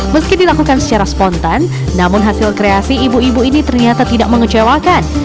meski dilakukan secara spontan namun hasil kreasi ibu ibu ini ternyata tidak mengecewakan